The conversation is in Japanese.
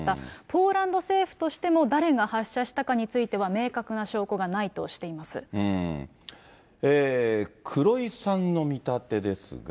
ポーランド政府としても誰が発射したかについては明確な証拠がな黒井さんの見立てですが。